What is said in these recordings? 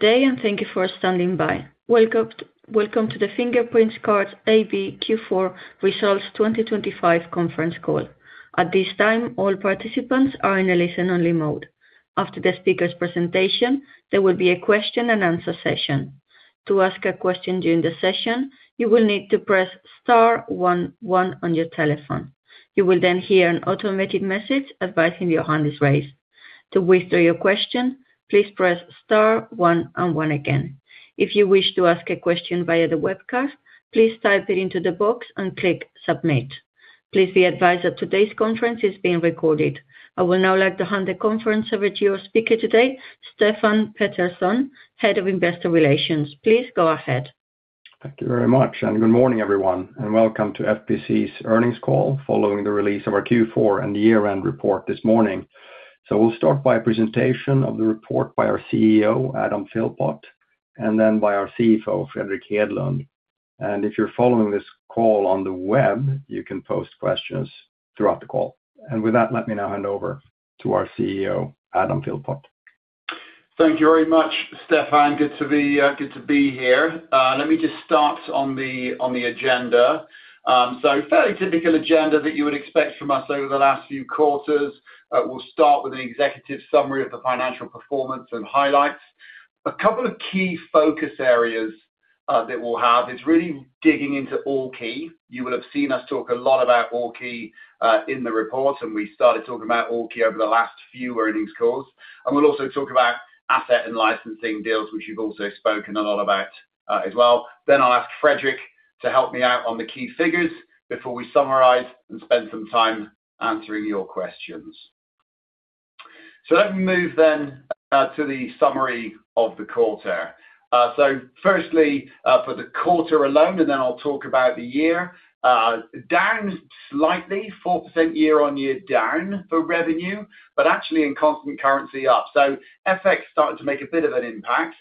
Good day, and thank you for standing by. Welcome to the Fingerprint Cards AB Q4 Results 2025 conference call. At this time, all participants are in a listen-only mode. After the speaker's presentation, there will be a question and answer session. To ask a question during the session, you will need to press star one one on your telephone. You will then hear an automated message advising your hand is raised. To withdraw your question, please press star one and one again. If you wish to ask a question via the webcast, please type it into the box and click Submit. Please be advised that today's conference is being recorded. I will now like to hand the conference over to your speaker today, Stefan Pettersson, Head of Investor Relations. Please go ahead. Thank you very much, and good morning, everyone, and welcome to FPC's earnings call, following the release of our Q4 and the year-end report this morning. We'll start by a presentation of the report by our CEO, Adam Philpott, and then by our CFO, Fredrik Hedlund. If you're following this call on the web, you can post questions throughout the call. With that, let me now hand over to our CEO, Adam Philpott. Thank you very much, Stefan. Good to be, good to be here. Let me just start on the agenda. So fairly typical agenda that you would expect from us over the last few quarters. We'll start with an executive summary of the financial performance and highlights. A couple of key focus areas that we'll have is really digging into Allkey. You will have seen us talk a lot about Allkey in the report, and we started talking about Allkey over the last few earnings calls. And we'll also talk about asset and licensing deals, which we've also spoken a lot about as well. Then I'll ask Fredrik to help me out on the key figures before we summarize and spend some time answering your questions. So let me move then to the summary of the quarter. So firstly, for the quarter alone, and then I'll talk about the year. Down slightly, 4% year-on-year down for revenue, but actually in constant currency, up. So FX started to make a bit of an impact,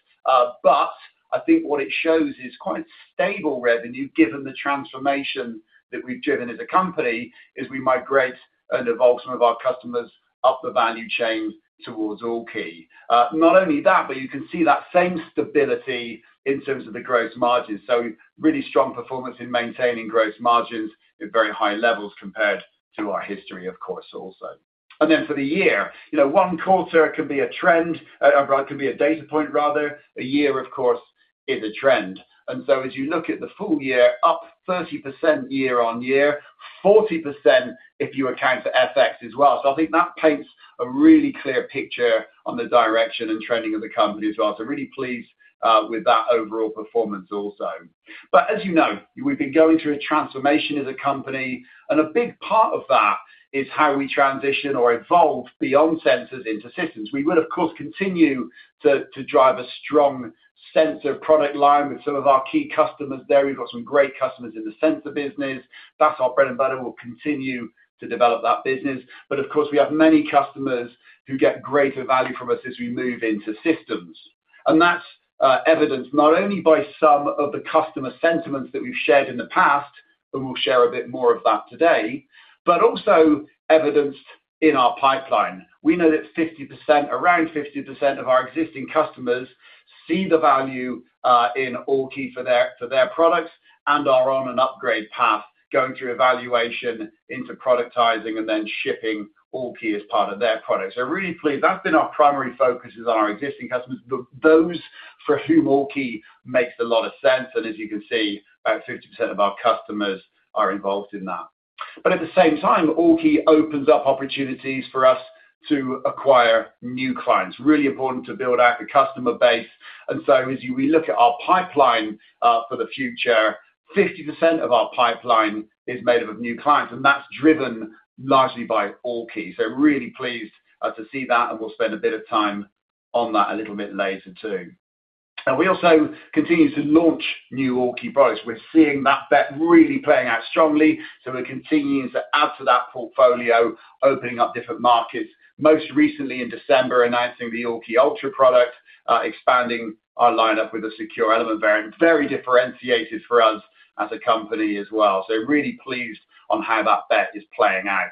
but I think what it shows is quite stable revenue, given the transformation that we've driven as a company, as we migrate and evolve some of our customers up the value chain towards Allkey. Not only that, but you can see that same stability in terms of the gross margins. So really strong performance in maintaining gross margins at very high levels compared to our history, of course, also. And then for the year, you know, one quarter can be a trend, or can be a data point, rather. A year, of course, is a trend. As you look at the full year, up 30% year-on-year, 40% if you account for FX as well. I think that paints a really clear picture on the direction and trending of the company as well. Really pleased with that overall performance also. But as you know, we've been going through a transformation as a company, and a big part of that is how we transition or evolve beyond sensors into systems. We will, of course, continue to drive a strong sensor product line with some of our key customers there. We've got some great customers in the sensor business. That's our bread and butter. We'll continue to develop that business. But of course, we have many customers who get greater value from us as we move into systems. That's evidenced not only by some of the customer sentiments that we've shared in the past, and we'll share a bit more of that today, but also evidenced in our pipeline. We know that 50%, around 50% of our existing customers see the value in Allkey for their, for their products and are on an upgrade path, going through evaluation into productizing and then shipping Allkey as part of their products. So really pleased. That's been our primary focus, is on our existing customers, but those for whom Allkey makes a lot of sense, and as you can see, about 50% of our customers are involved in that. But at the same time, Allkey opens up opportunities for us to acquire new clients. Really important to build out the customer base, and so as we look at our pipeline, for the future, 50% of our pipeline is made up of new clients, and that's driven largely by Allkey. So really pleased to see that, and we'll spend a bit of time on that a little bit later, too. And we also continue to launch new Allkey products. We're seeing that bet really playing out strongly, so we're continuing to add to that portfolio, opening up different markets, most recently in December, announcing the Allkey Ultra product, expanding our lineup with a Secure Element variant. Very differentiated for us as a company as well. So really pleased on how that bet is playing out.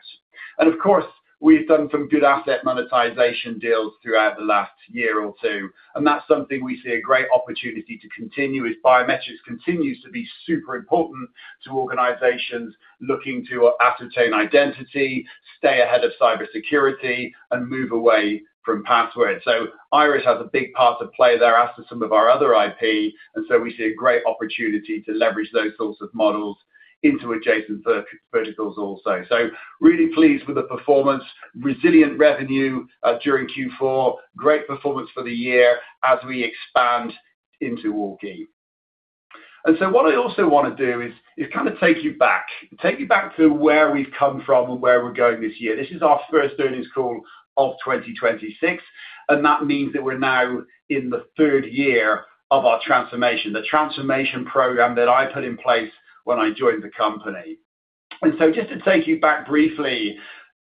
And of course, we've done some good asset monetization deals throughout the last year or two, and that's something we see a great opportunity to continue as biometrics continues to be super important to organizations looking to ascertain identity, stay ahead of cybersecurity, and move away from passwords. So iris has a big part to play there, as do some of our other IP, and so we see a great opportunity to leverage those sorts of models into adjacent verticals also. So really pleased with the performance, resilient revenue during Q4, great performance for the year as we expand into Allkey. And so what I also want to do is kind of take you back to where we've come from and where we're going this year. This is our first earnings call of 2026, and that means that we're now in the third year of our transformation, the transformation program that I put in place when I joined the company. And so just to take you back briefly,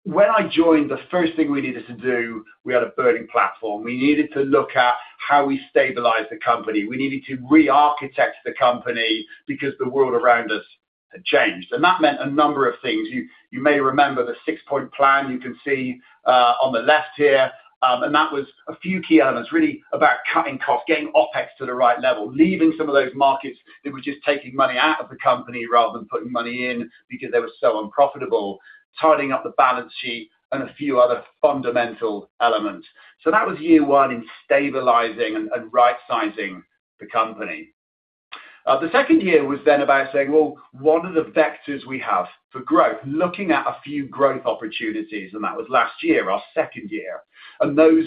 when I joined, the first thing we needed to do, we had a burning platform. We needed to look at how we stabilize the company. We needed to rearchitect the company because the world around us-... had changed, and that meant a number of things. You, you may remember the six-point plan you can see, on the left here. And that was a few key elements, really about cutting costs, getting OpEx to the right level, leaving some of those markets that were just taking money out of the company rather than putting money in because they were so unprofitable, tidying up the balance sheet, and a few other fundamental elements. So that was year one in stabilizing and right-sizing the company. The second year was then about saying, "Well, what are the vectors we have for growth?" Looking at a few growth opportunities, and that was last year, our second year. And those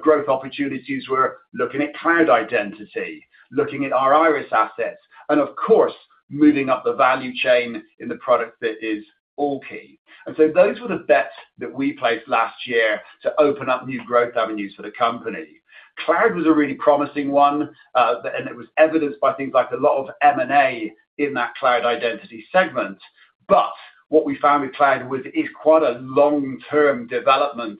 growth opportunities were looking at cloud identity, looking at our iris assets, and of course, moving up the value chain in the product that is Allkey. And so those were the bets that we placed last year to open up new growth avenues for the company. Cloud was a really promising one, and it was evidenced by things like a lot of M&A in that cloud identity segment. But what we found with cloud was, it's quite a long-term development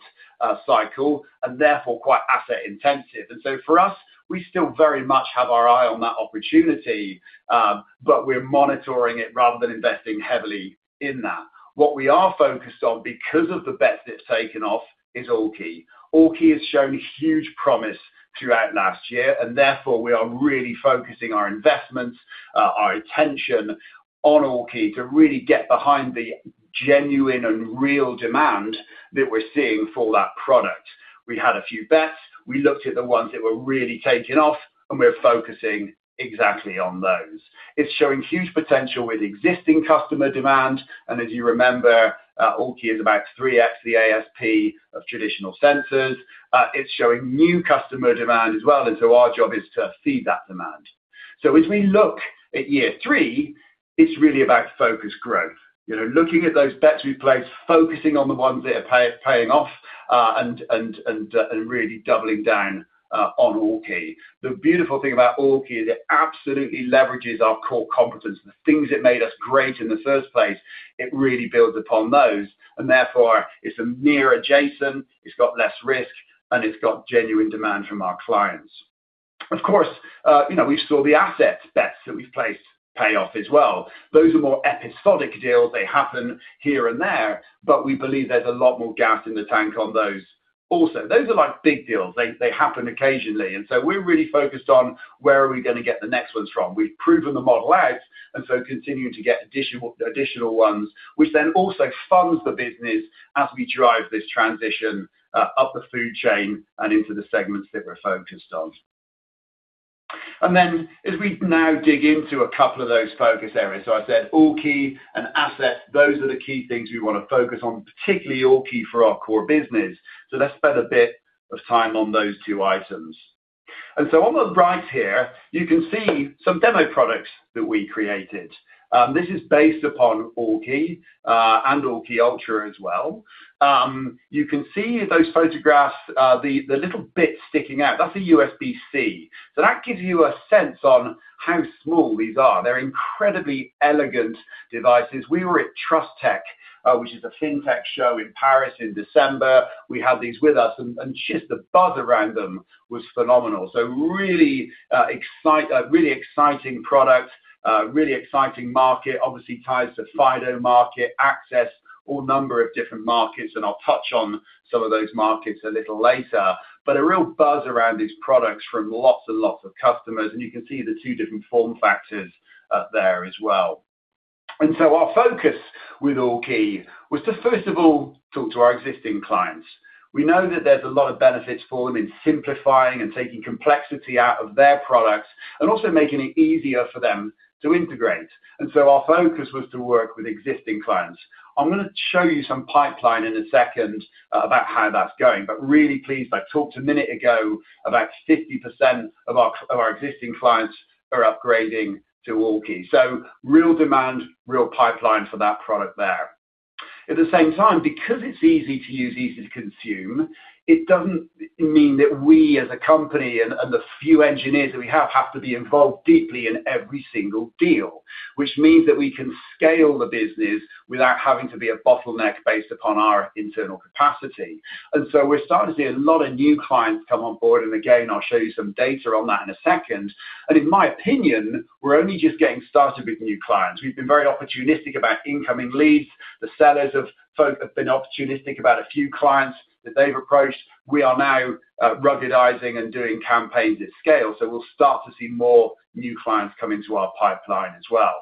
cycle and therefore quite asset intensive. And so for us, we still very much have our eye on that opportunity, but we're monitoring it rather than investing heavily in that. What we are focused on, because of the bets that have taken off, is Allkey. Allkey has shown huge promise throughout last year, and therefore we are really focusing our investments, our attention on Allkey to really get behind the genuine and real demand that we're seeing for that product. We had a few bets. We looked at the ones that were really taking off, and we're focusing exactly on those. It's showing huge potential with existing customer demand, and as you remember, Allkey is about 3x the ASP of traditional sensors. It's showing new customer demand as well, and so our job is to feed that demand. So as we look at year three, it's really about focused growth. You know, looking at those bets we've placed, focusing on the ones that are paying off, and really doubling down on Allkey. The beautiful thing about Allkey is it absolutely leverages our core competence, the things that made us great in the first place, it really builds upon those, and therefore it's a near adjacent, it's got less risk, and it's got genuine demand from our clients. Of course, you know, we saw the asset bets that we've placed pay off as well. Those are more episodic deals. They happen here and there, but we believe there's a lot more gas in the tank on those also. Those are like big deals. They, they happen occasionally, and so we're really focused on where are we gonna get the next ones from. We've proven the model out, and so continuing to get additional, additional ones, which then also funds the business as we drive this transition up the food chain and into the segments that we're focused on. And then as we now dig into a couple of those focus areas, so I said Allkey and assets, those are the key things we want to focus on, particularly Allkey for our core business. So let's spend a bit of time on those two items. And so on the right here, you can see some demo products that we created. This is based upon Allkey, and Allkey Ultra as well. You can see those photographs, the little bit sticking out, that's a USB-C. So that gives you a sense on how small these are. They're incredibly elegant devices. We were at Trustech, which is a Fintech show in Paris in December. We had these with us, and just the buzz around them was phenomenal. So really, a really exciting product, really exciting market, obviously ties to FIDO market, access, all number of different markets, and I'll touch on some of those markets a little later. But a real buzz around these products from lots and lots of customers, and you can see the two different form factors out there as well. And so our focus with Allkey was to first of all, talk to our existing clients. We know that there's a lot of benefits for them in simplifying and taking complexity out of their products, and also making it easier for them to integrate. So our focus was to work with existing clients. I'm gonna show you some pipeline in a second about how that's going, but really pleased. I talked a minute ago about 50% of our, of our existing clients are upgrading to Allkey. So real demand, real pipeline for that product there. At the same time, because it's easy to use, easy to consume, it doesn't mean that we, as a company and, and the few engineers that we have, have to be involved deeply in every single deal, which means that we can scale the business without having to be a bottleneck based upon our internal capacity. We're starting to see a lot of new clients come on board, and again, I'll show you some data on that in a second. In my opinion, we're only just getting started with new clients. We've been very opportunistic about incoming leads. The sales folk have been opportunistic about a few clients that they've approached. We are now ruggedizing and doing campaigns at scale, so we'll start to see more new clients come into our pipeline as well.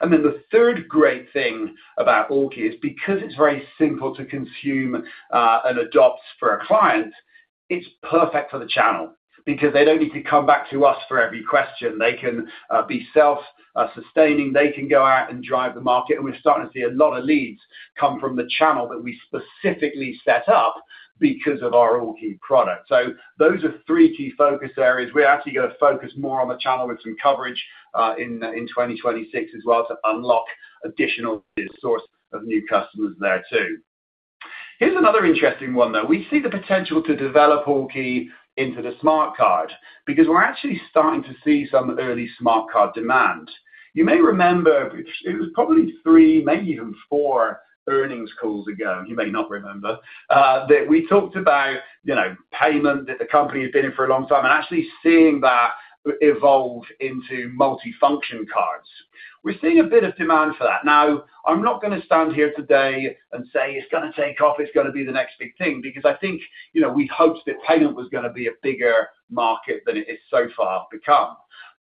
Then the third great thing about Allkey is because it's very simple to consume and adopt for a client, it's perfect for the channel, because they don't need to come back to us for every question. They can be self-sustaining, they can go out and drive the market, and we're starting to see a lot of leads come from the channel that we specifically set up because of our Allkey product. So those are three key focus areas. We're actually gonna focus more on the channel with some coverage in 2026 as well, to unlock additional source of new customers there too. Here's another interesting one, though. We see the potential to develop Allkey into the smart card, because we're actually starting to see some early smart card demand. You may remember, it was probably three, maybe even four earnings calls ago, you may not remember that we talked about, you know, payment, that the company had been in for a long time, and actually seeing that evolve into multifunction cards. We're seeing a bit of demand for that. Now, I'm not going to stand here today and say it's going to take off, it's going to be the next big thing, because I think, you know, we hoped that payment was going to be a bigger market than it is so far become.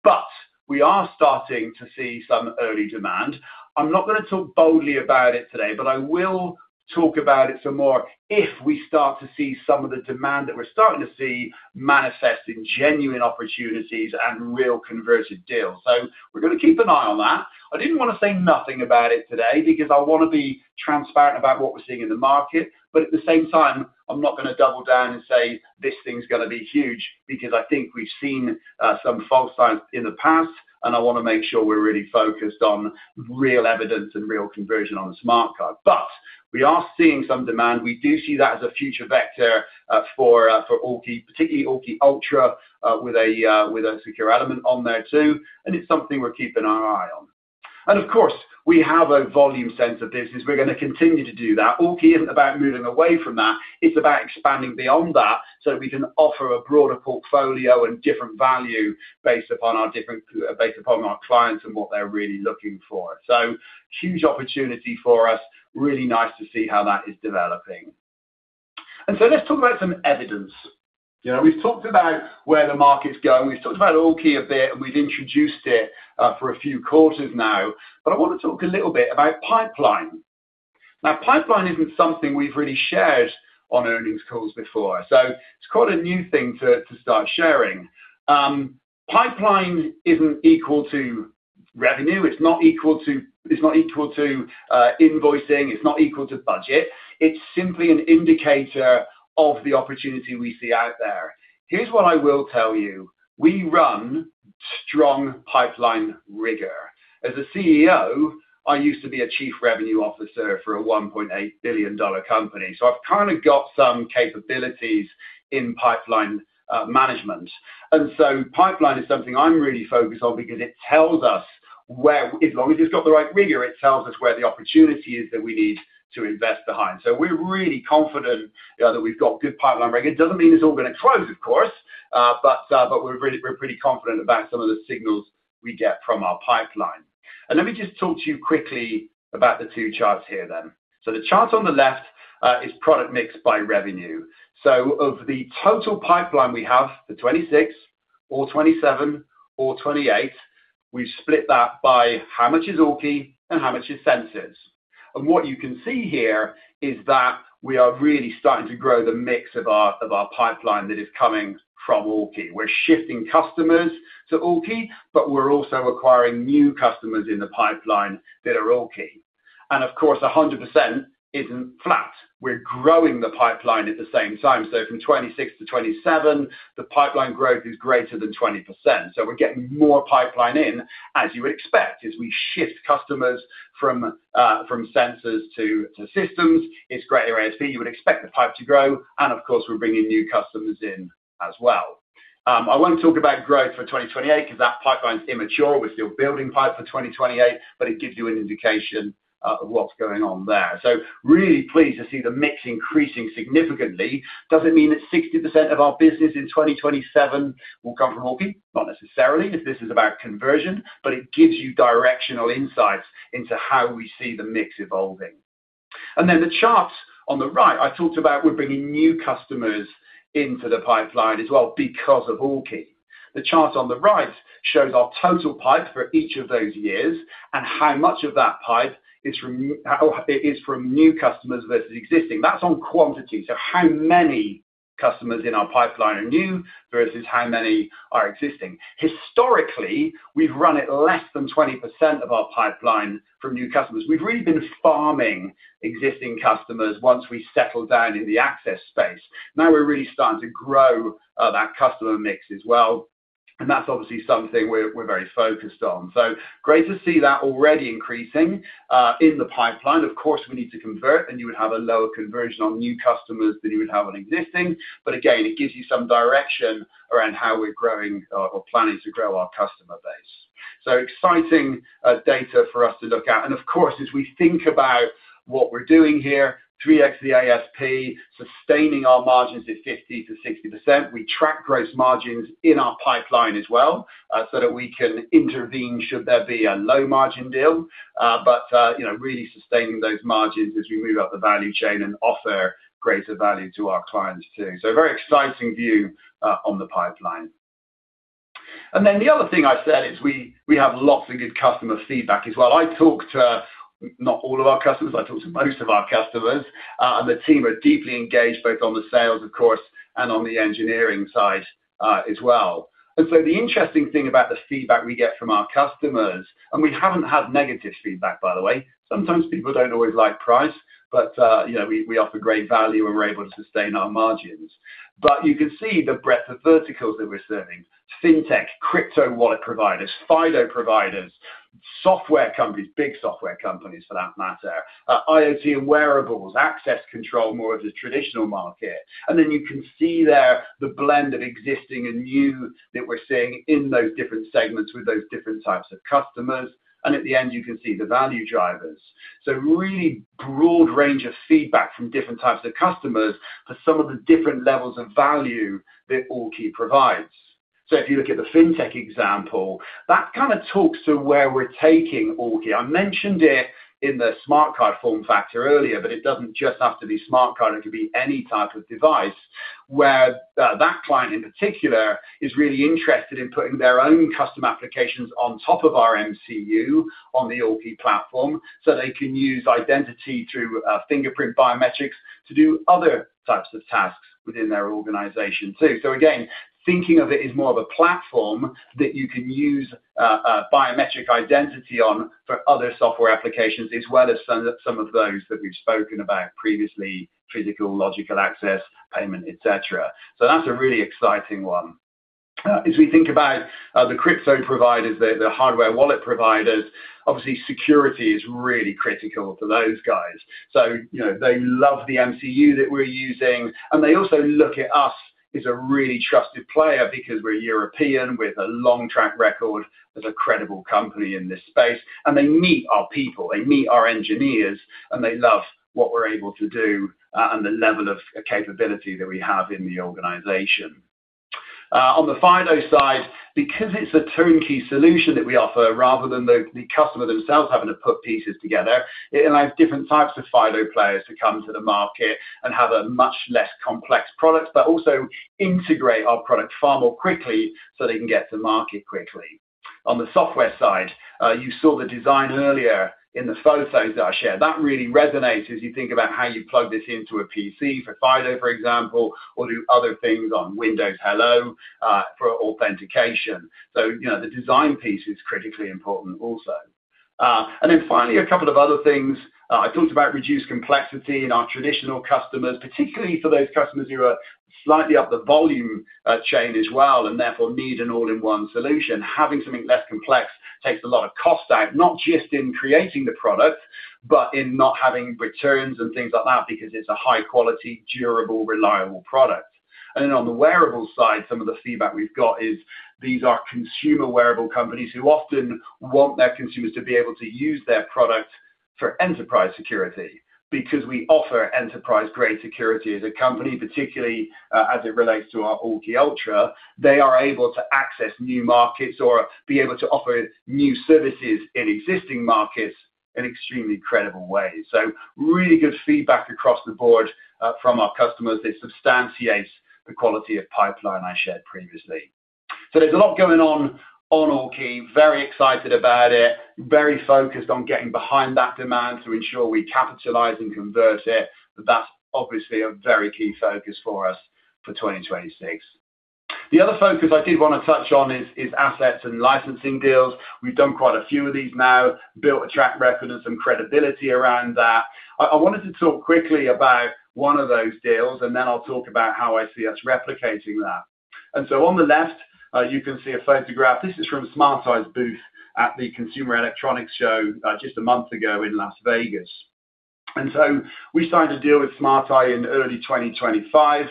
But we are starting to see some early demand. I'm not going to talk boldly about it today, but I will talk about it some more if we start to see some of the demand that we're starting to see manifesting genuine opportunities and real converted deals. So we're going to keep an eye on that. I didn't want to say nothing about it today because I want to be transparent about what we're seeing in the market, but at the same time, I'm not going to double down and say, this thing's going to be huge, because I think we've seen some false signs in the past, and I want to make sure we're really focused on real evidence and real conversion on the smart card. But we are seeing some demand. We do see that as a future vector for Allkey, particularly Allkey Ultra, with a secure element on there, too, and it's something we're keeping our eye on. And of course, we have a volume center business. We're going to continue to do that. Allkey isn't about moving away from that, it's about expanding beyond that so we can offer a broader portfolio and different value based upon our different, based upon our clients and what they're really looking for. So huge opportunity for us. Really nice to see how that is developing. And so let's talk about some evidence. You know, we've talked about where the market's going, we've talked about Allkey a bit, and we've introduced it, for a few quarters now, but I want to talk a little bit about pipeline. Now, pipeline isn't something we've really shared on earnings calls before, so it's quite a new thing to start sharing. Pipeline isn't equal to revenue, it's not equal to, it's not equal to, invoicing, it's not equal to budget. It's simply an indicator of the opportunity we see out there. Here's what I will tell you: we run strong pipeline rigor. As a CEO, I used to be a chief revenue officer for a $1.8 billion company, so I've kind of got some capabilities in pipeline management. And so pipeline is something I'm really focused on because it tells us where, as long as it's got the right rigor, it tells us where the opportunity is that we need to invest behind. So we're really confident that we've got good pipeline rigor. It doesn't mean it's all going to close, of course, but we're pretty confident about some of the signals we get from our pipeline. And let me just talk to you quickly about the two charts here then. So the chart on the left is product mix by revenue. So of the total pipeline, we have the 26, 27, or 28; we've split that by how much is Allkey and how much is sensors. And what you can see here is that we are really starting to grow the mix of our, of our pipeline that is coming from Allkey. We're shifting customers to Allkey, but we're also acquiring new customers in the pipeline that are Allkey. And of course, 100% isn't flat. We're growing the pipeline at the same time. So from 26 to 27, the pipeline growth is greater than 20%. So we're getting more pipeline in, as you would expect, as we shift customers from sensors to systems. It's greater ASP. You would expect the pipe to grow, and of course, we're bringing new customers in as well. I won't talk about growth for 2028 because that pipeline is immature. We're still building pipe for 2028, but it gives you an indication of what's going on there. So really pleased to see the mix increasing significantly. Does it mean that 60% of our business in 2027 will come from Allkey? Not necessarily, because this is about conversion, but it gives you directional insights into how we see the mix evolving. And then the charts on the right, I talked about we're bringing new customers into the pipeline as well because of Allkey. The chart on the right shows our total pipe for each of those years and how much of that pipe is from new customers versus existing. That's on quantity. So how many customers in our pipeline are new versus how many are existing? Historically, we've run it less than 20% of our pipeline from new customers. We've really been farming existing customers once we settled down in the access space. Now we're really starting to grow that customer mix as well, and that's obviously something we're very focused on. So great to see that already increasing in the pipeline. Of course, we need to convert, and you would have a lower conversion on new customers than you would have on existing, but again, it gives you some direction around how we're growing or planning to grow our customer base. So exciting data for us to look at. And of course, as we think about what we're doing here, 3x the ASP, sustaining our margins at 50%-60%. We track gross margins in our pipeline as well, so that we can intervene, should there be a low-margin deal, but, you know, really sustaining those margins as we move up the value chain and offer greater value to our clients, too. So a very exciting view on the pipeline. And then the other thing I said is we, we have lots of good customer feedback as well. I talk to, not all of our customers, I talk to most of our customers, and the team are deeply engaged, both on the sales, of course, and on the engineering side, as well. And so the interesting thing about the feedback we get from our customers, and we haven't had negative feedback, by the way. Sometimes people don't always like price, but, you know, we, we offer great value and we're able to sustain our margins. But you can see the breadth of verticals that we're serving. Fintech, crypto wallet providers, FIDO providers, software companies, big software companies, for that matter, IoT and wearables, access control, more of the traditional market. And then you can see there the blend of existing and new that we're seeing in those different segments with those different types of customers, and at the end, you can see the value drivers. So really broad range of feedback from different types of customers for some of the different levels of value that Allkey provides. So if you look at the Fintech example, that kind of talks to where we're taking Allkey. I mentioned it in the smart card form factor earlier, but it doesn't just have to be smart card, it could be any type of device, where that client in particular is really interested in putting their own custom applications on top of our MCU on the Allkey platform, so they can use identity through fingerprint biometrics to do other types of tasks within their organization too. So again, thinking of it as more of a platform that you can use biometric identity on for other software applications, as well as some, some of those that we've spoken about previously, physical, logical access, payment, et cetera. So that's a really exciting one. As we think about the crypto providers, the hardware wallet providers, obviously security is really critical to those guys. So, you know, they love the MCU that we're using, and they also look at us as a really trusted player because we're European, with a long track record as a credible company in this space, and they meet our people, they meet our engineers, and they love what we're able to do, and the level of capability that we have in the organization. On the FIDO side, because it's a turnkey solution that we offer, rather than the customer themselves having to put pieces together, it allows different types of FIDO players to come to the market and have a much less complex product, but also integrate our product far more quickly so they can get to market quickly. On the software side, you saw the design earlier in the photos that I shared. That really resonates as you think about how you plug this into a PC for FIDO, for example, or do other things on Windows Hello, for authentication. So, you know, the design piece is critically important also. And then finally, a couple of other things. I talked about reduced complexity in our traditional customers, particularly for those customers who are slightly up the volume, chain as well, and therefore need an all-in-one solution. Having something less complex takes a lot of cost out, not just in creating the product, but in not having returns and things like that, because it's a high-quality, durable, reliable product. And then on the wearable side, some of the feedback we've got is, these are consumer wearable companies who often want their consumers to be able to use their product for enterprise security. Because we offer enterprise-grade security as a company, particularly, as it relates to our Allkey Ultra, they are able to access new markets or be able to offer new services in existing markets in extremely credible ways. So really good feedback across the board, from our customers that substantiates the quality of pipeline I shared previously. So there's a lot going on on Allkey. Very excited about it. Very focused on getting behind that demand to ensure we capitalize and convert it, but that's obviously a very key focus for us for 2026. The other focus I did want to touch on is assets and licensing deals. We've done quite a few of these now, built a track record and some credibility around that. I wanted to talk quickly about one of those deals, and then I'll talk about how I see us replicating that. So on the left, you can see a photograph. This is from Smart Eye's booth at the Consumer Electronics Show, just a month ago in Las Vegas. So we signed a deal with Smart Eye in early 2025.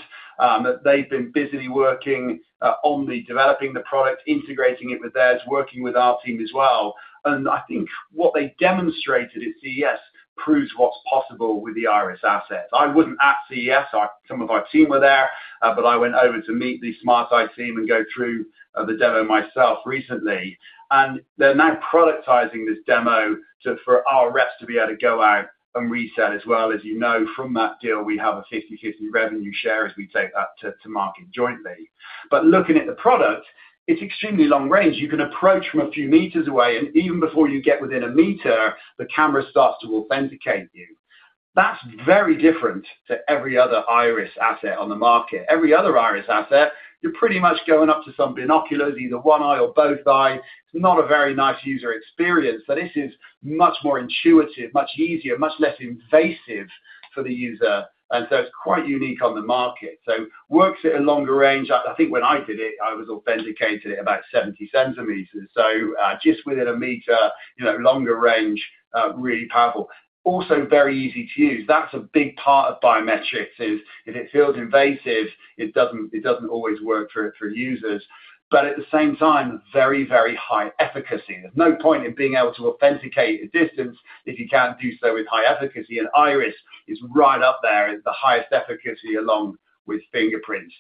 They've been busily working on developing the product, integrating it with theirs, working with our team as well. And I think what they demonstrated at CES proves what's possible with the Iris asset. I wasn't at CES. Some of our team were there, but I went over to meet the Smart Eye team and go through the demo myself recently, and they're now productizing this demo to for our reps to be able to go out and resell as well. As you know, from that deal, we have a 50/50 revenue share as we take that to market jointly. But looking at the product, it's extremely long range. You can approach from a few meters away, and even before you get within a meter, the camera starts to authenticate you. That's very different to every other Iris asset on the market. Every other Iris asset, you're pretty much going up to some binoculars, either one eye or both eye. It's not a very nice user experience, but this is much more intuitive, much easier, much less invasive for the user, and so it's quite unique on the market. So works at a longer range. I think when I did it, I was authenticated at about 70 cm. So, just within a meter, you know, longer range, really powerful. Also very easy to use. That's a big part of biometrics, is if it feels invasive, it doesn't always work for users, but at the same time, very, very high efficacy. There's no point in being able to authenticate a distance if you can't do so with high efficacy, and Iris is right up there as the highest efficacy along with fingerprints.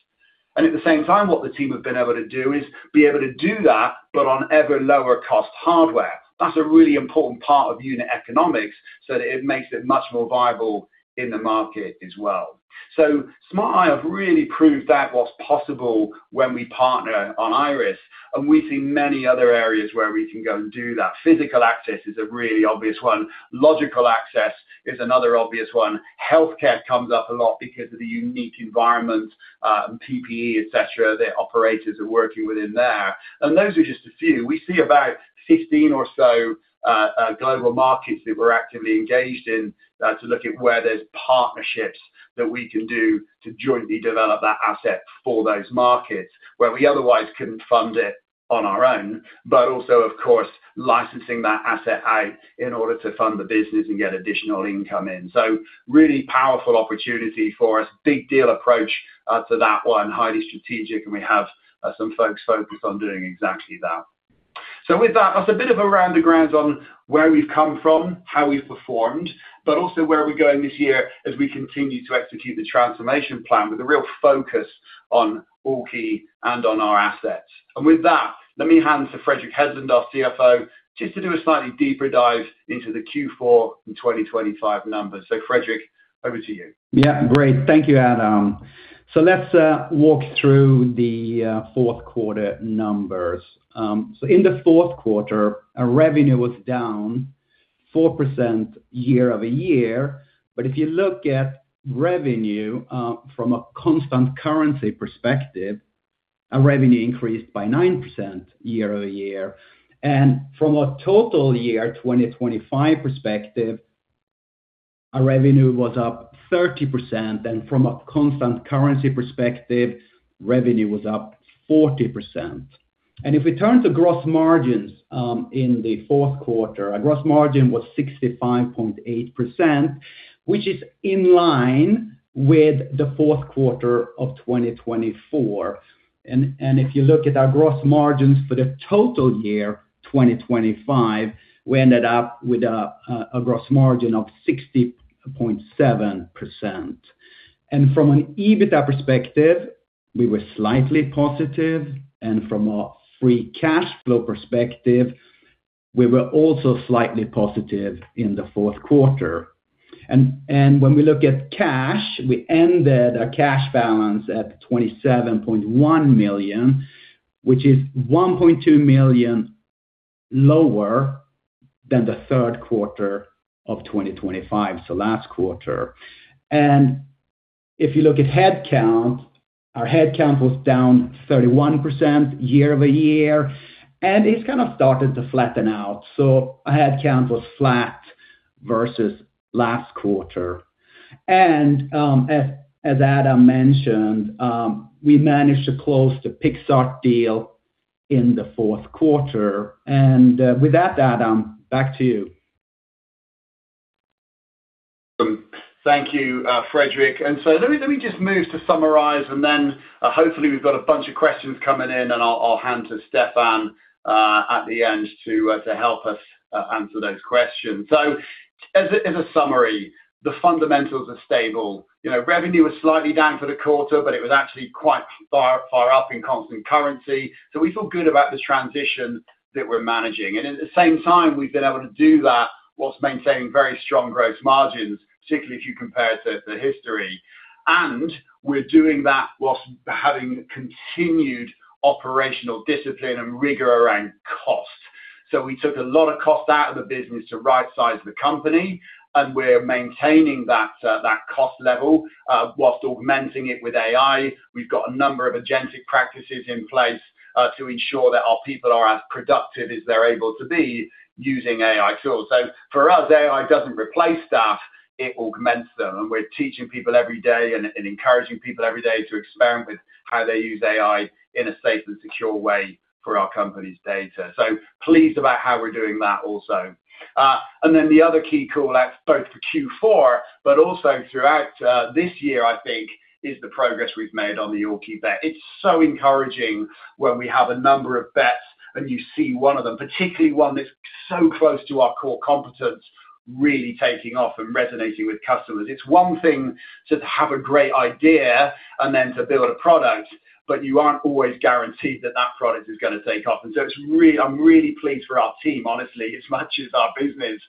And at the same time, what the team have been able to do is be able to do that, but on ever lower cost hardware. That's a really important part of unit economics, so it makes it much more viable in the market as well. So Smart Eye have really proved that what's possible when we partner on Iris, and we see many other areas where we can go and do that. Physical access is a really obvious one. Logical access is another obvious one. Healthcare comes up a lot because of the unique environment, and PPE, et cetera, the operators are working within there. And those are just a few. We see about 15 or so, global markets that we're actively engaged in, to look at where there's partnerships that we can do to jointly develop that asset for those markets, where we otherwise couldn't fund it on our own, but also, of course, licensing that asset out in order to fund the business and get additional income in. So really powerful opportunity for us. Big deal approach, to that one, highly strategic, and we have, some folks focused on doing exactly that.... So with that, that's a bit of a rundown on where we've come from, how we've performed, but also where are we going this year as we continue to execute the transformation plan with a real focus on Allkey and on our assets. And with that, let me hand to Fredrik Hedlund, our CFO, just to do a slightly deeper dive into the Q4 and 2025 numbers. So Fredrik, over to you. Yeah, great. Thank you, Adam. So let's walk through the fourth quarter numbers. So in the fourth quarter, our revenue was down 4% year-over-year. But if you look at revenue from a constant currency perspective, our revenue increased by 9% year-over-year. And from a total year, 2025 perspective, our revenue was up 30%, and from a constant currency perspective, revenue was up 40%. And if we turn to gross margins, in the fourth quarter, our gross margin was 65.8%, which is in line with the fourth quarter of 2024. And if you look at our gross margins for the total year, 2025, we ended up with a gross margin of 60.7%. And from an EBITDA perspective, we were slightly positive, and from a free cash flow perspective, we were also slightly positive in the fourth quarter. And when we look at cash, we ended our cash balance at 27.1 million, which is 1.2 million lower than the third quarter of 2025, so last quarter. And if you look at headcount, our headcount was down 31% year-over-year, and it's kind of started to flatten out. So our headcount was flat versus last quarter. And, as Adam mentioned, we managed to close the PixArt deal in the fourth quarter. And, with that, Adam, back to you. Thank you, Fredrik. And so let me just move to summarize, and then, hopefully, we've got a bunch of questions coming in, and I'll hand to Stefan at the end to help us answer those questions. So as a summary, the fundamentals are stable. You know, revenue was slightly down for the quarter, but it was actually quite far, far up in constant currency. So we feel good about the transition that we're managing. And at the same time, we've been able to do that while maintaining very strong gross margins, particularly if you compare to the history. And we're doing that while having continued operational discipline and rigor around cost. So we took a lot of cost out of the business to rightsize the company, and we're maintaining that, that cost level, while augmenting it with AI. We've got a number of agentic practices in place, to ensure that our people are as productive as they're able to be using AI tools. So for us, AI doesn't replace staff, it augments them, and we're teaching people every day and encouraging people every day to experiment with how they use AI in a safe and secure way for our company's data. So pleased about how we're doing that also. And then the other key call out, both for Q4, but also throughout, this year, I think, is the progress we've made on the Allkey bet. It's so encouraging when we have a number of bets and you see one of them, particularly one that's so close to our core competence, really taking off and resonating with customers. It's one thing to have a great idea and then to build a product, but you aren't always guaranteed that that product is gonna take off. And so it's really, I'm really pleased for our team, honestly, as much as our business,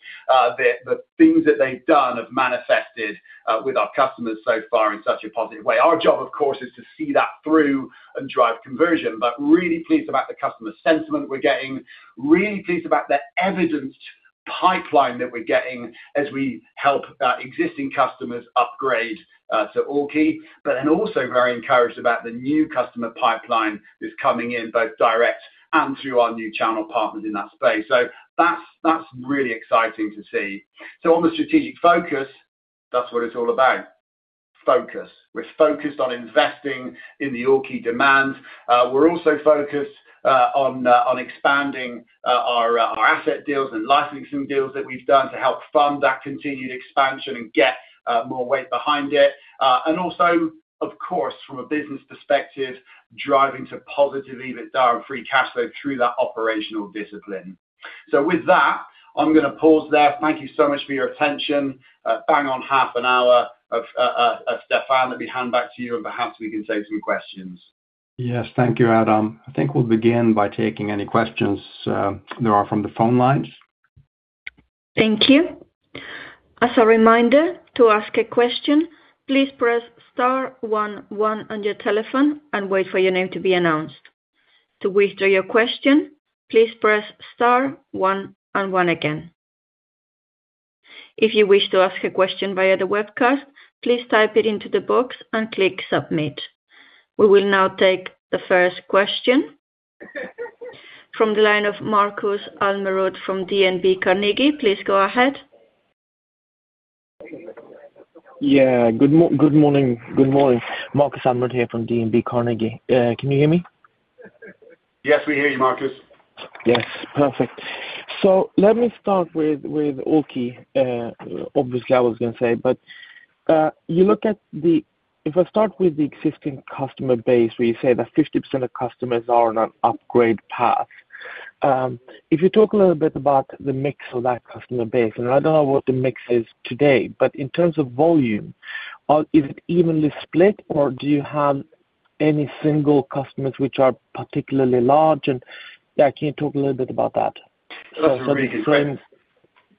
the things that they've done have manifested with our customers so far in such a positive way. Our job, of course, is to see that through and drive conversion, but really pleased about the customer sentiment we're getting. Really pleased about the evidenced pipeline that we're getting as we help existing customers upgrade to Allkey, but then also very encouraged about the new customer pipeline that's coming in, both direct and through our new channel partners in that space. So that's really exciting to see. So on the strategic focus, that's what it's all about, focus. We're focused on investing in the Allkey demands. We're also focused on expanding our asset deals and licensing deals that we've done to help fund that continued expansion and get more weight behind it. And also, of course, from a business perspective, driving to positive EBITDA and free cash flow through that operational discipline. So with that, I'm gonna pause there. Thank you so much for your attention. Bang on half an hour of Stefan, let me hand back to you, and perhaps we can take some questions. Yes. Thank you, Adam. I think we'll begin by taking any questions there are from the phone lines. Thank you. As a reminder, to ask a question, please press star one one on your telephone and wait for your name to be announced. To withdraw your question, please press star one and one again. If you wish to ask a question via the webcast, please type it into the box and click Submit. We will now take the first question from the line of Marcus Almerud from DNB Carnegie. Please go ahead. Yeah, good morning. Good morning, Marcus Almerud here from DNB Carnegie. Can you hear me? Yes, we hear you, Marcus. Yes, perfect.... So let me start with, with Allkey. Obviously, I was going to say, but you look at the—if I start with the existing customer base, where you say that 50% of customers are on an upgrade path, if you talk a little bit about the mix of that customer base, and I don't know what the mix is today, but in terms of volume, is it evenly split, or do you have any single customers which are particularly large, and, yeah, can you talk a little bit about that?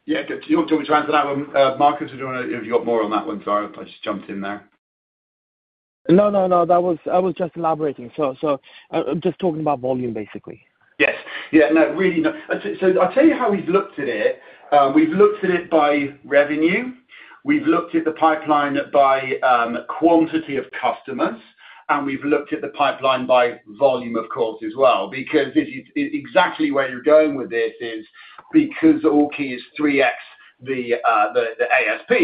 Yeah. Do you want me to answer that one? Marcus, if you want to, if you've got more on that one, sorry. I just jumped in there. No, no, no, that was. I was just elaborating. So, so I'm just talking about volume, basically. Yes. Yeah, no, really not... So I'll tell you how we've looked at it. We've looked at it by revenue. We've looked at the pipeline by quantity of customers, and we've looked at the pipeline by volume, of course, as well, because it is exactly where you're going with this is because Allkey is 3x the ASP,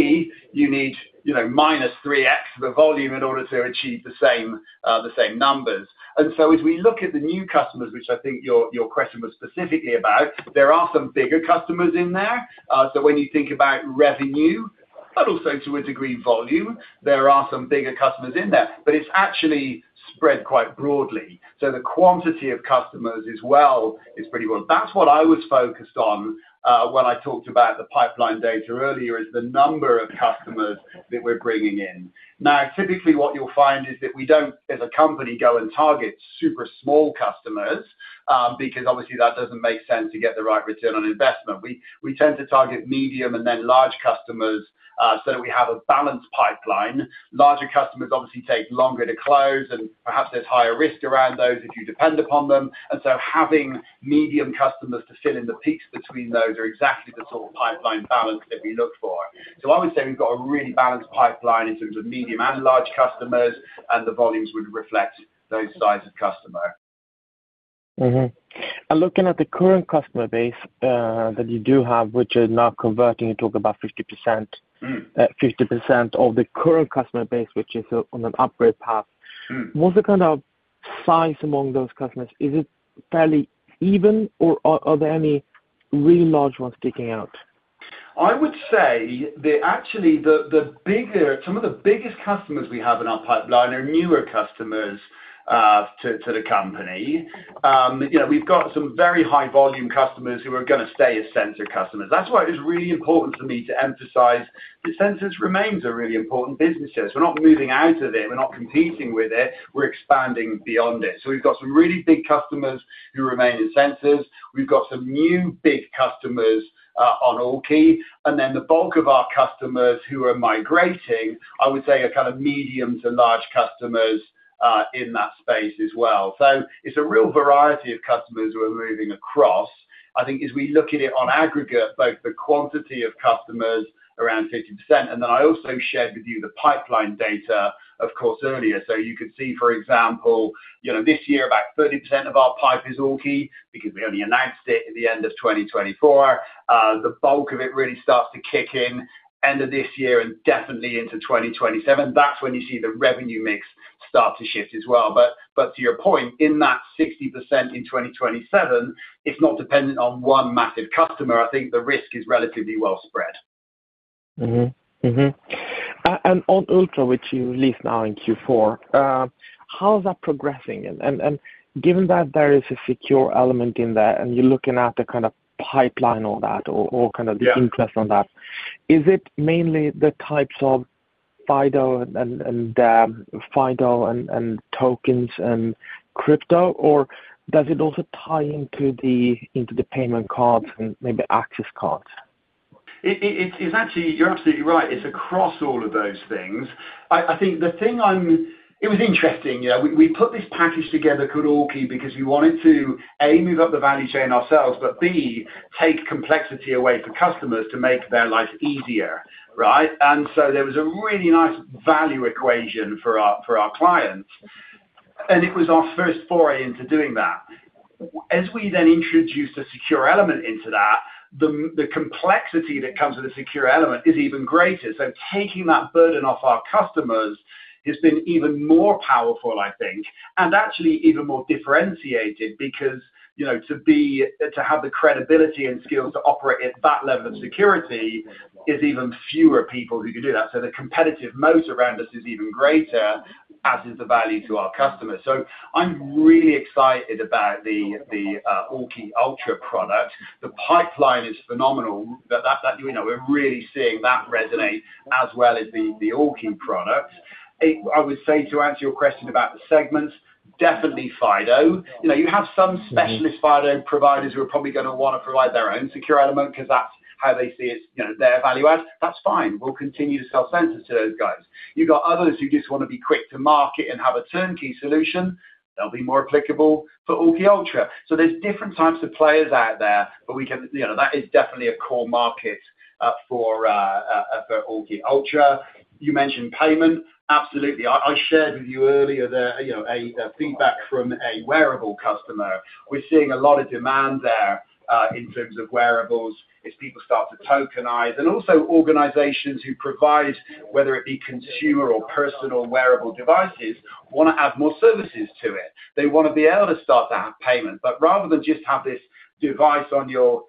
you know, minus 3x the volume in order to achieve the same numbers. And so as we look at the new customers, which I think your question was specifically about, there are some bigger customers in there. So when you think about revenue, but also to a degree, volume, there are some bigger customers in there, but it's actually spread quite broadly. So the quantity of customers as well is pretty well. That's what I was focused on when I talked about the pipeline data earlier, is the number of customers that we're bringing in. Now, typically, what you'll find is that we don't, as a company, go and target super small customers because obviously that doesn't make sense to get the right return on investment. We, we tend to target medium and then large customers so we have a balanced pipeline. Larger customers obviously take longer to close, and perhaps there's higher risk around those if you depend upon them. And so having medium customers to fill in the peaks between those are exactly the sort of pipeline balance that we look for. So I would say we've got a really balanced pipeline in terms of medium and large customers, and the volumes would reflect those size of customer. Mm-hmm. And looking at the current customer base that you do have, which is now converting, you talk about 50%. Mm. 50% of the current customer base, which is on an upgrade path. Mm. What's the kind of size among those customers? Is it fairly even, or are there any really large ones sticking out? I would say that actually, some of the biggest customers we have in our pipeline are newer customers to the company. You know, we've got some very high volume customers who are going to stay as sensor customers. That's why it's really important for me to emphasize that sensors remains a really important business to us. We're not moving out of it, we're not competing with it, we're expanding beyond it. So we've got some really big customers who remain in sensors. We've got some new big customers on Allkey, and then the bulk of our customers who are migrating, I would say, are kind of medium to large customers in that space as well. So it's a real variety of customers who are moving across. I think as we look at it on aggregate, both the quantity of customers around 50%, and then I also shared with you the pipeline data, of course, earlier. So you could see, for example, you know, this year, about 30% of our pipe is Allkey because we only announced it at the end of 2024. The bulk of it really starts to kick in end of this year and definitely into 2027. That's when you see the revenue mix start to shift as well. But, but to your point, in that 60% in 2027, it's not dependent on one massive customer. I think the risk is relatively well spread. And on Ultra, which you released now in Q4, how is that progressing? And given that there is a secure element in there, and you're looking at the kind of pipeline, all that, or kind of- Yeah The interest on that, is it mainly the types of FIDO and tokens and crypto, or does it also tie into the payment cards and maybe access cards? It's actually, you're absolutely right. It's across all of those things. I think the thing I'm. It was interesting, yeah, we put this package together called Allkey because we wanted to, A, move up the value chain ourselves, but B, take complexity away for customers to make their life easier, right? And so there was a really nice value equation for our clients, and it was our first foray into doing that. As we then introduced a secure element into that, the complexity that comes with a secure element is even greater. So taking that burden off our customers has been even more powerful, I think, and actually even more differentiated, because, you know, to have the credibility and skills to operate at that level of security is even fewer people who can do that. So the competitive moat around us is even greater, as is the value to our customers. So I'm really excited about the Allkey Ultra product. The pipeline is phenomenal. That, you know, we're really seeing that resonate as well as the Allkey product. It - I would say to answer your question about the segments, definitely FIDO. You know, you have some specialist- Mm-hmm... FIDO providers who are probably gonna wanna provide their own secure element because that's how they see it, you know, their value add. That's fine. We'll continue to sell sensors to those guys. You've got others who just want to be quick to market and have a turnkey solution. They'll be more applicable for Allkey Ultra. So there's different types of players out there, but we can. You know, that is definitely a core market for Allkey Ultra. You mentioned payment. Absolutely. I shared with you earlier that, you know, a feedback from a wearable customer. We're seeing a lot of demand there in terms of wearables as people start to tokenize. And also organizations who provide, whether it be consumer or personal wearable devices, want to add more services to it. They want to be able to start to have payment, but rather than just have this device on your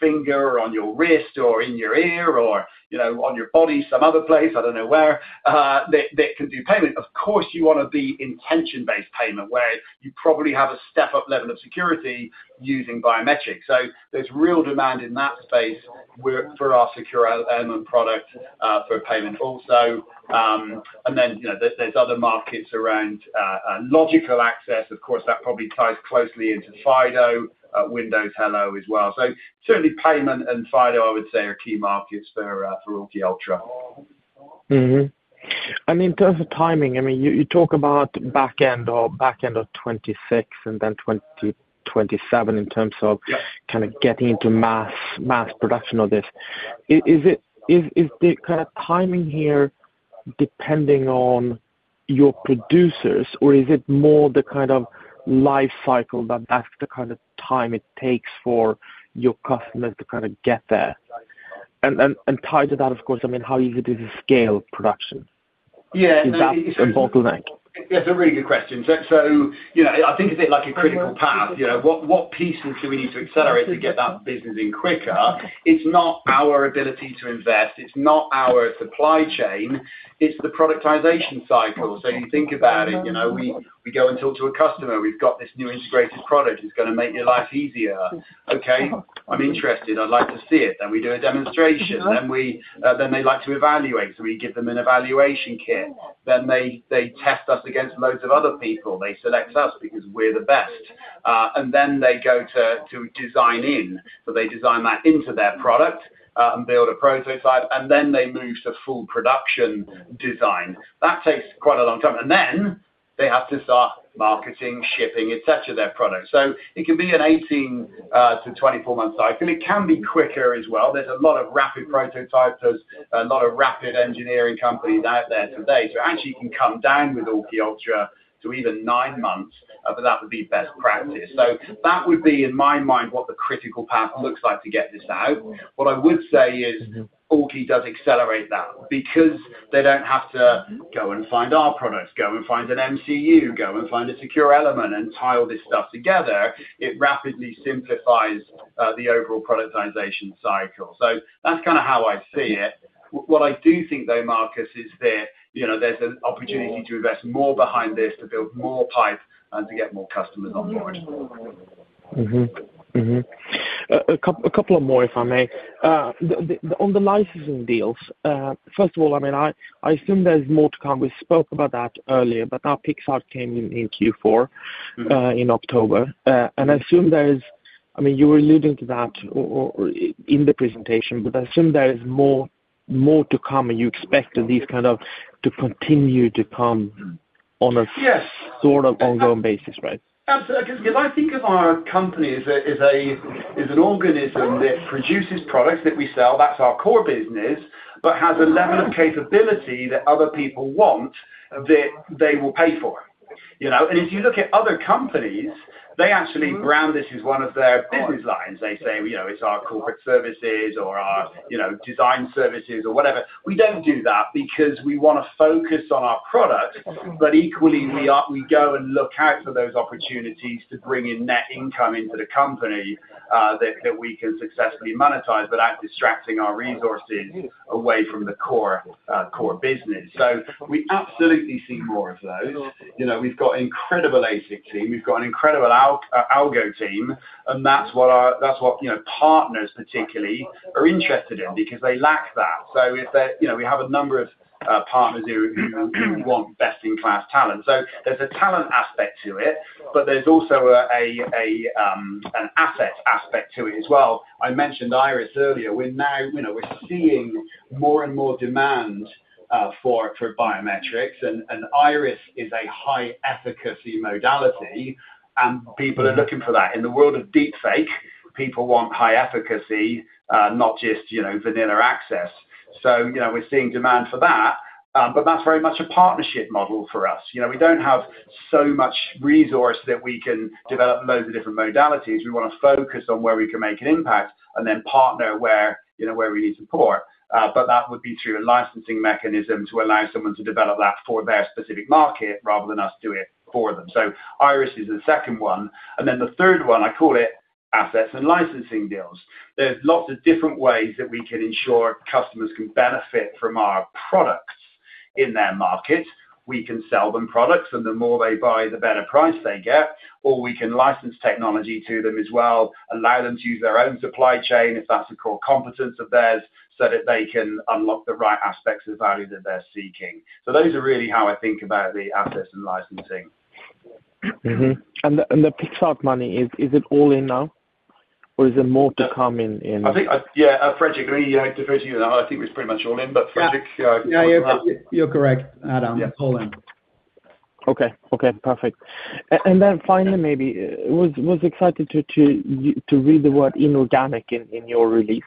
finger, or on your wrist, or in your ear, or, you know, on your body, some other place, I don't know where, that can do payment. Of course, you want to be intention-based payment, where you probably have a step-up level of security using biometrics. So there's real demand in that space where for our secure element product for payment also. And then, you know, there, there's other markets around logical access. Of course, that probably ties closely into FIDO, Windows Hello as well. So certainly payment and FIDO, I would say, are key markets for Allkey Ultra.... Mm-hmm. And in terms of timing, I mean, you talk about back end or back end of 2026 and then 2027 in terms of- Yes. Kind of getting into mass production of this. Is it the kind of timing here depending on your producers, or is it more the kind of life cycle that that's the kind of time it takes for your customers to kind of get there? And tied to that, of course, I mean, how easy is it to scale production? Yeah. Is that a bottleneck? That's a really good question. So, you know, I think of it like a critical path. You know, what pieces do we need to accelerate to get that business in quicker? It's not our ability to invest, it's not our supply chain, it's the productization cycle. So you think about it, you know, we go and talk to a customer. We've got this new integrated product that's gonna make your life easier. "Okay, I'm interested. I'd like to see it." Then we do a demonstration. Then they like to evaluate, so we give them an evaluation kit. Then they test us against loads of other people. They select us because we're the best. And then they go to design in. So they design that into their product, and build a prototype, and then they move to full production design. That takes quite a long time. And then they have to start marketing, shipping, et cetera, their product. So it can be an 18-24 month cycle. It can be quicker as well. There's a lot of rapid prototypers, a lot of rapid engineering companies out there today. So actually, you can come down with Allkey Ultra to even nine months, but that would be best practice. So that would be, in my mind, what the critical path looks like to get this out. What I would say is, Allkey does accelerate that because they don't have to go and find our products, go and find an MCU, go and find a secure element and tie this stuff together. It rapidly simplifies the overall productization cycle. So that's kind of how I see it. What I do think, though, Marcus, is that, you know, there's an opportunity to invest more behind this, to build more pipe and to get more customers on board. Mm-hmm. Mm-hmm. A couple more, if I may. On the licensing deals, first of all, I mean, I assume there's more to come. We spoke about that earlier, but now PixArt came in in Q4- Mm-hmm. in October. I assume there is... I mean, you were alluding to that or in the presentation, but I assume there is more to come, and you expect these kind of to continue to come on a- Yes! sort of ongoing basis, right? Absolutely. Because if I think of our company as an organism that produces products that we sell, that's our core business, but has a level of capability that other people want, that they will pay for, you know? And if you look at other companies, they actually brand this as one of their business lines. They say, you know, "It's our corporate services or our, you know, design services," or whatever. We don't do that because we wanna focus on our product, but equally, we go and look out for those opportunities to bring in net income into the company, that we can successfully monetize without distracting our resources away from the core business. So we absolutely see more of those. You know, we've got an incredible ASIC team, we've got an incredible algo team, and that's what, you know, partners particularly are interested in because they lack that. So if they... You know, we have a number of partners who want best-in-class talent. So there's a talent aspect to it, but there's also an asset aspect to it as well. I mentioned Iris earlier. We're now, you know, we're seeing more and more demand for biometrics, and Iris is a high-efficacy modality, and people are looking for that. In the world of deepfake, people want high efficacy, not just, you know, vanilla access. So, you know, we're seeing demand for that, but that's very much a partnership model for us. You know, we don't have so much resource that we can develop loads of different modalities. We wanna focus on where we can make an impact and then partner where, you know, where we need support. But that would be through a licensing mechanism to allow someone to develop that for their specific market rather than us do it for them. So Iris is the second one, and then the third one, I call it assets and licensing deals. There's lots of different ways that we can ensure customers can benefit from our products in their market. We can sell them products, and the more they buy, the better price they get, or we can license technology to them as well, allow them to use their own supply chain, if that's a core competence of theirs, so that they can unlock the right aspects of the value that they're seeking. So those are really how I think about the assets and licensing. Mm-hmm. And the PixArt money, is it all in now, or is there more to come in? I think, yeah, Fredrik, maybe to you now. I think it's pretty much all in, but Fredrik. Yeah, you're correct, Adam. Yeah. It's all in. Okay. Okay, perfect. And then finally, maybe, was excited to read the word inorganic in your release.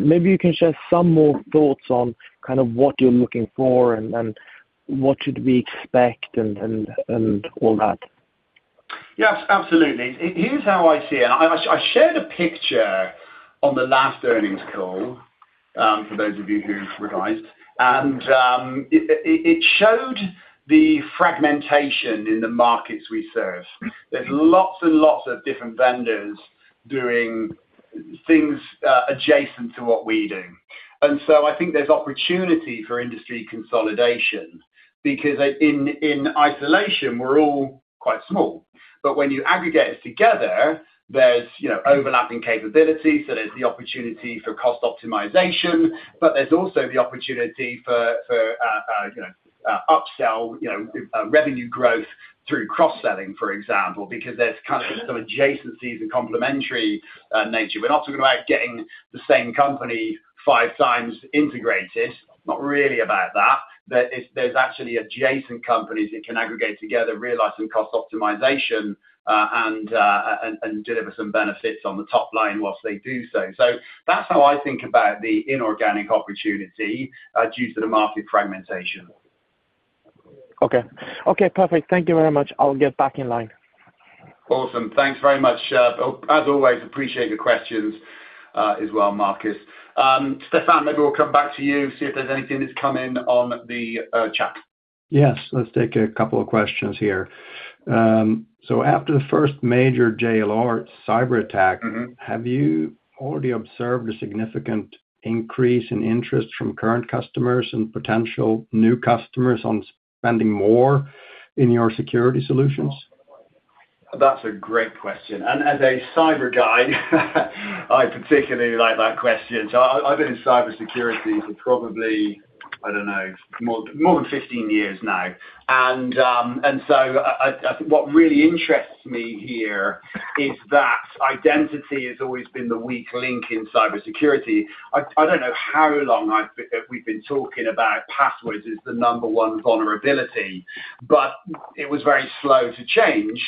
Maybe you can share some more thoughts on kind of what you're looking for and what should we expect and all that. Yes, absolutely. Here's how I see it, and I shared a picture on the last earnings call, for those of you who've revised, and it showed the fragmentation in the markets we serve. There's lots and lots of different vendors doing things adjacent to what we do. And so I think there's opportunity for industry consolidation because in isolation, we're all quite small, but when you aggregate it together, there's, you know, overlapping capabilities, so there's the opportunity for cost optimization, but there's also the opportunity for upsell, you know, revenue growth through cross-selling, for example, because there's kind of some adjacencies and complementary nature. We're not talking about getting the same company five times integrated, not really about that, but there's actually adjacent companies that can aggregate together, realize some cost optimization, and deliver some benefits on the top line whilst they do so. So that's how I think about the inorganic opportunity due to the market fragmentation. Okay. Okay, perfect. Thank you very much. I'll get back in line. Awesome. Thanks very much, as always, appreciate your questions, as well, Marcus. Stefan, maybe we'll come back to you, see if there's anything that's come in on the chat. Yes, let's take a couple of questions here. So after the first major JLR cyberattack... Mm-hmm. Have you already observed a significant increase in interest from current customers and potential new customers on spending more in your security solutions? That's a great question, and as a cyber guy, I particularly like that question. So I've been in cybersecurity for probably, I don't know, more than 15 years now. And so what really interests me here is that identity has always been the weak link in cybersecurity. I don't know how long we've been talking about passwords as the number one vulnerability, but it was very slow to change,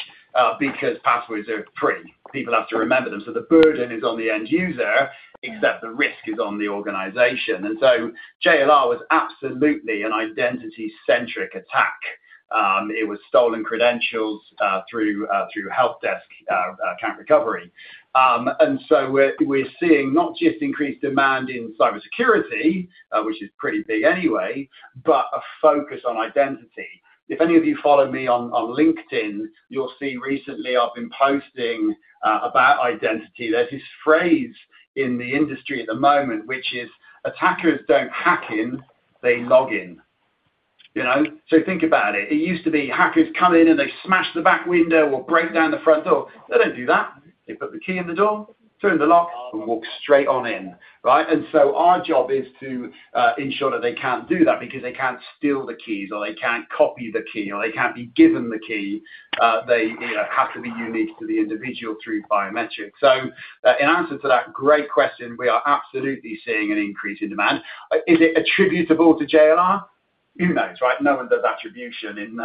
because passwords are free. People have to remember them, so the burden is on the end user, except the risk is on the organization. And so JLR was absolutely an identity-centric attack. It was stolen credentials, through help desk, account recovery. And so we're seeing not just increased demand in cybersecurity, which is pretty big anyway, but a focus on identity. If any of you follow me on, on LinkedIn, you'll see recently I've been posting about identity. There's this phrase in the industry at the moment, which is, "Attackers don't hack in, they log in." You know? So think about it. It used to be hackers come in, and they smash the back window or break down the front door. They don't do that. They put the key in the door, turn the lock, and walk straight on in, right? And so our job is to ensure that they can't do that because they can't steal the keys, or they can't copy the key, or they can't be given the key. They, you know, have to be unique to the individual through biometrics. So, in answer to that great question, we are absolutely seeing an increase in demand. Is it attributable to JLR? Who knows, right? No one does attribution in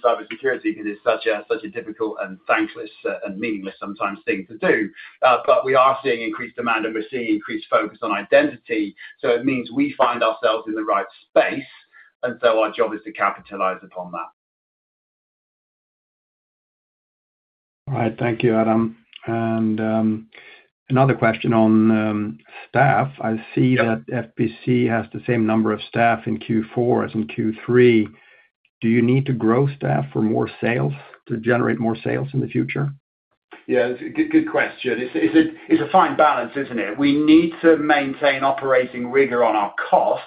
cybersecurity because it's such a difficult and thankless, and meaningless sometimes thing to do. But we are seeing increased demand, and we're seeing increased focus on identity, so it means we find ourselves in the right space, and so our job is to capitalize upon that. All right. Thank you, Adam. Another question on staff. Yep. I see that FPC has the same number of staff in Q4 as in Q3. Do you need to grow staff for more sales, to generate more sales in the future? Yeah, good, good question. It's a fine balance, isn't it? We need to maintain operating rigor on our costs,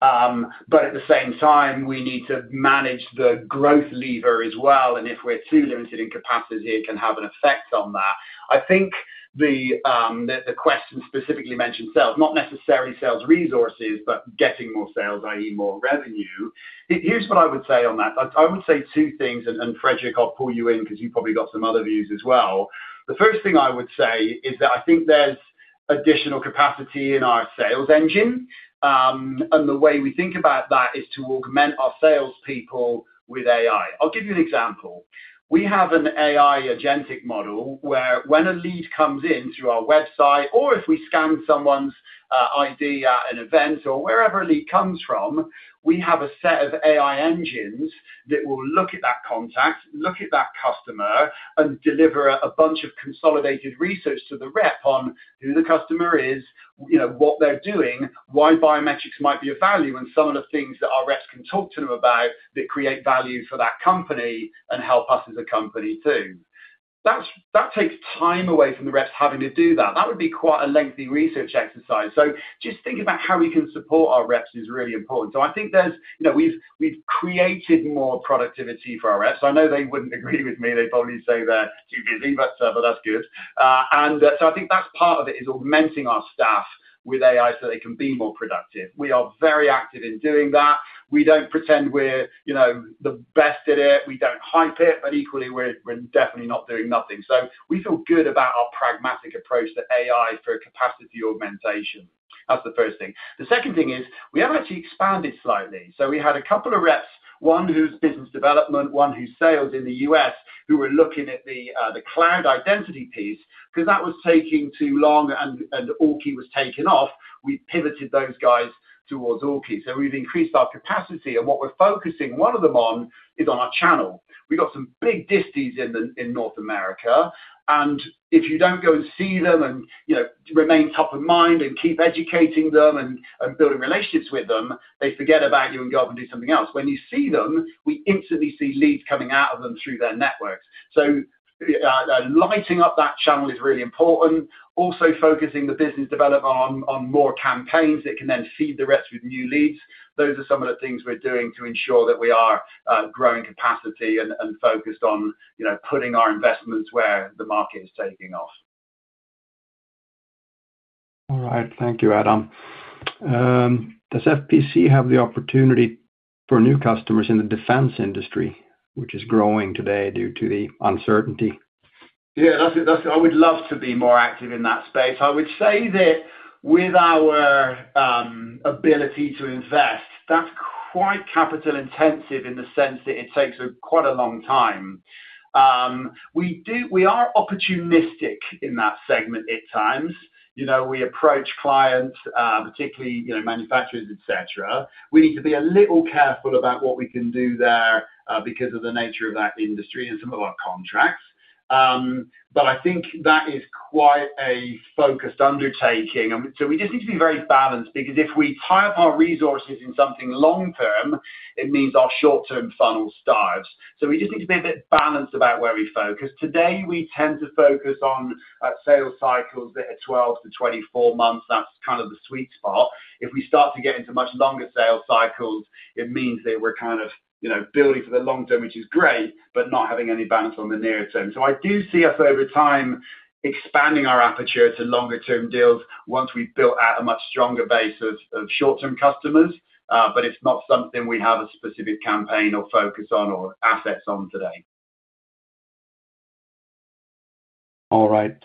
but at the same time, we need to manage the growth lever as well, and if we're too limited in capacity, it can have an effect on that. I think the question specifically mentioned sales, not necessarily sales resources, but getting more sales, i.e., more revenue. Here's what I would say on that. I would say two things, and Fredrik, I'll pull you in because you've probably got some other views as well. The first thing I would say is that I think there's additional capacity in our sales engine, and the way we think about that is to augment our salespeople with AI. I'll give you an example. We have an AI agentic model where when a lead comes in through our website or if we scan someone's ID at an event or wherever a lead comes from, we have a set of AI engines that will look at that contact, look at that customer, and deliver a bunch of consolidated research to the rep on who the customer is, you know, what they're doing, why biometrics might be of value, and some of the things that our reps can talk to them about that create value for that company and help us as a company, too. That takes time away from the reps having to do that. That would be quite a lengthy research exercise. So just thinking about how we can support our reps is really important. So I think there's... You know, we've created more productivity for our reps. I know they wouldn't agree with me. They'd probably say they're too busy, but that's good. And, so I think that's part of it, is augmenting our staff with AI so they can be more productive. We are very active in doing that. We don't pretend we're, you know, the best at it. We don't hype it, but equally, we're definitely not doing nothing. So we feel good about our pragmatic approach to AI for capacity augmentation. That's the first thing. The second thing is, we have actually expanded slightly. So we had a couple of reps, one who's business development, one who's sales in the U.S., who were looking at the cloud identity piece, because that was taking too long, and Allkey was taking off. We pivoted those guys towards Allkey. So we've increased our capacity, and what we're focusing one of them on is on our channel. We've got some big distis in North America, and if you don't go and see them and, you know, remain top of mind and keep educating them and building relationships with them, they forget about you and go off and do something else. When you see them, we instantly see leads coming out of them through their networks. So, lighting up that channel is really important. Also, focusing the business development on more campaigns that can then feed the reps with new leads. Those are some of the things we're doing to ensure that we are growing capacity and focused on, you know, putting our investments where the market is taking off.... All right. Thank you, Adam. Does FPC have the opportunity for new customers in the defense industry, which is growing today due to the uncertainty? Yeah, that's. I would love to be more active in that space. I would say that with our ability to invest, that's quite capital intensive in the sense that it takes quite a long time. We are opportunistic in that segment at times. You know, we approach clients, particularly, you know, manufacturers, et cetera. We need to be a little careful about what we can do there, because of the nature of that industry and some of our contracts. But I think that is quite a focused undertaking. So we just need to be very balanced, because if we tie up our resources in something long term, it means our short term funnel starves. So we just need to be a bit balanced about where we focus. Today, we tend to focus on sales cycles that are 12-24 months. That's kind of the sweet spot. If we start to get into much longer sales cycles, it means that we're kind of, you know, building for the long term, which is great, but not having any balance on the nearer term. So I do see us, over time, expanding our aperture to longer term deals once we've built out a much stronger base of short-term customers, but it's not something we have a specific campaign or focus on or assets on today. All right.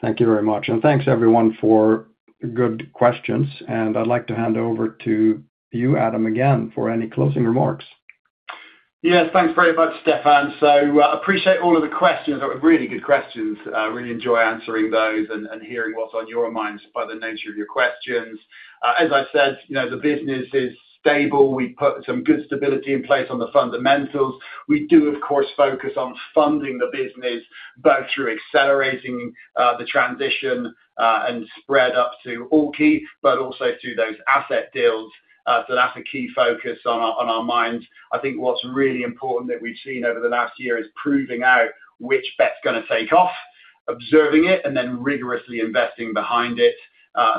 Thank you very much, and thanks, everyone, for good questions. I'd like to hand over to you, Adam, again, for any closing remarks. Yes, thanks very much, Stefan. So I appreciate all of the questions. They were really good questions. Really enjoy answering those and, and hearing what's on your minds by the nature of your questions. As I said, you know, the business is stable. We've put some good stability in place on the fundamentals. We do, of course, focus on funding the business, both through accelerating the transition and spread up to Orki, but also through those asset deals. So that's a key focus on our, on our minds. I think what's really important that we've seen over the last year is proving out which bet's going to take off, observing it, and then rigorously investing behind it.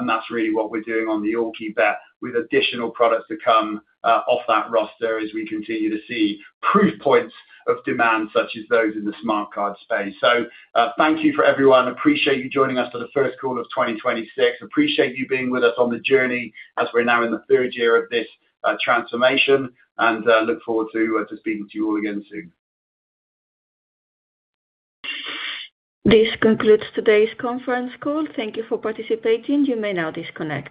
That's really what we're doing on the Anonybit, with additional products to come, off that roster as we continue to see proof points of demand, such as those in the smart card space. So, thank you, everyone. Appreciate you joining us for the first call of 2026. Appreciate you being with us on the journey as we're now in the third year of this transformation, and look forward to speaking to you all again soon. This concludes today's conference call. Thank you for participating. You may now disconnect.